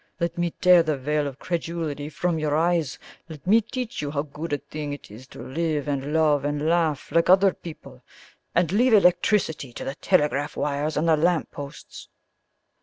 Let me tear the veil of credulity from your eyes. Let me teach you how good a thing it is to live and love and laugh like other people, and leave electricity to the telegraph wires and the lamp posts."